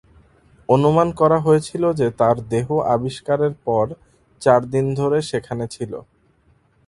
অনুমান করা হয়েছিল যে তার দেহ আবিষ্কারের পর চার দিন ধরে সেখানে ছিল।